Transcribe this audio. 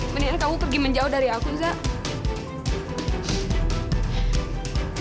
mendingan kamu pergi menjauh dari aku zah